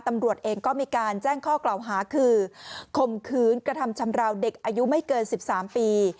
ตำรวจเองก็มีการแจ้งข้อกล่าวหาคือข่มขืนกระทำชำราวเด็กอายุไม่เกิน๑๓ปี